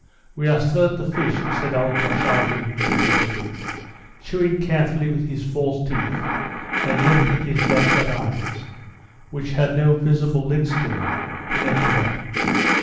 We are still at the fish," said old Korchagin with difficulty, chewing carefully with his false teeth, and lifting his bloodshot eyes (which had no visible lids to them) to Nekhludoff.